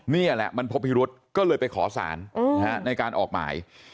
นี่แหละมันพบพิรุษก็เลยไปขอสารในการออกหมาย